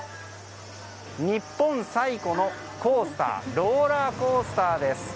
日本最古のコースターローラーコースターです。